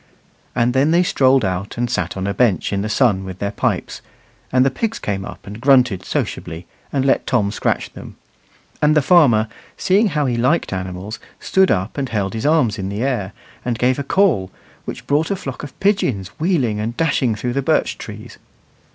And then they strolled out and sat on a bench in the sun with their pipes, and the pigs came up and grunted sociably and let Tom scratch them; and the farmer, seeing how he liked animals, stood up and held his arms in the air, and gave a call, which brought a flock of pigeons wheeling and dashing through the birch trees.